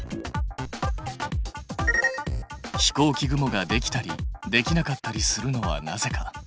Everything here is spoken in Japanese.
飛行機雲ができたりできなかったりするのはなぜか？